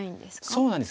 そうなんです。